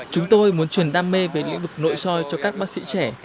chúng tôi muốn truyền đam mê về lĩnh vực nội soi cho các bác sĩ trẻ